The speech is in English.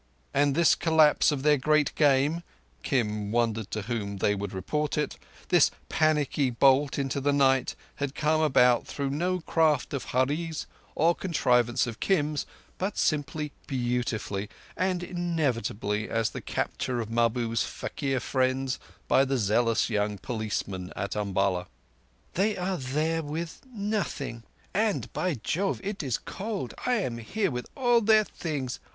And this collapse of their Great Game (Kim wondered to whom they would report it), this panicky bolt into the night, had come about through no craft of Hurree's or contrivance of Kim's, but simply, beautifully, and inevitably as the capture of Mahbub's faquir friends by the zealous young policeman at Umballa. "They are there—with nothing; and, by Jove, it is cold! I am here with all their things.